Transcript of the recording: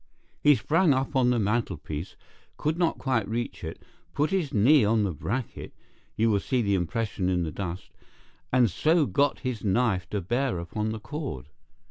He sprang up on the mantelpiece, could not quite reach it, put his knee on the bracket—you will see the impression in the dust—and so got his knife to bear upon the cord.